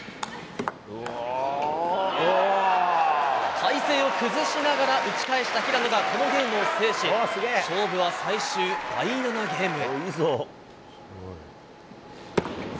体勢を崩しながら打ち返した平野がこのゲームを制し勝負は最終第７ゲームへ。